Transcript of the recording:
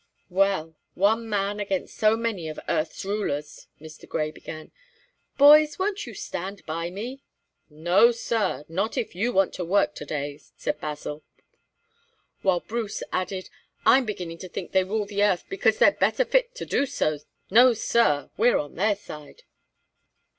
"Well, one man against so many of the earth's rulers," Mr. Grey began. "Boys, won't you stand by me?" "No, sir; not if you want to work to day," said Basil; while Bruce added: "I'm beginning to think they rule the earth because they're better fit to do so. No, sir; we're on their side."